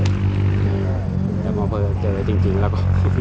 แต่เมื่อเผลอเจอจริงแล้วก็